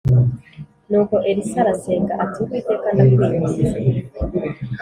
Nuko Elisa arasenga ati Uwiteka ndakwinginze